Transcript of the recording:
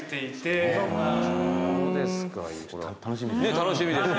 楽しみですね。